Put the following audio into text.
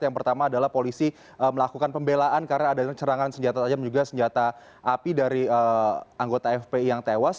yang pertama adalah polisi melakukan pembelaan karena ada cerangan senjata tajam juga senjata api dari anggota fpi yang tewas